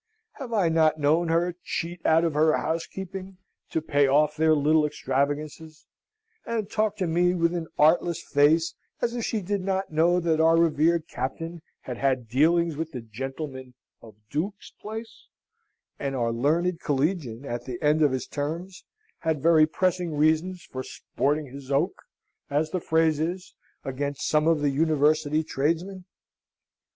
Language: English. Have I not known her cheat out of her housekeeping to pay off their little extravagances; and talk to me with an artless face, as if she did not know that our revered captain had had dealings with the gentlemen of Duke's Place, and our learned collegian, at the end of his terms, had very pressing reasons for sporting his oak (as the phrase is) against some of the University tradesmen?